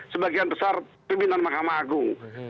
sebagian besar pimpinan mahkamah agung